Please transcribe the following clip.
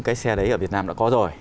đấy ở việt nam đã có rồi